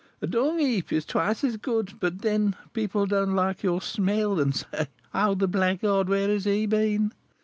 "A dung heap is twice as good; but then people don't like your smell, and say, 'Oh, the blackguard! where has he been?'"